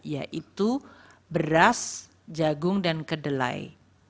yaitu beras jagung dan kedelai